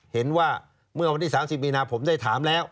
เห็นว่าเมื่อวันที่๓๐มีนาผมได้ถามแล้ว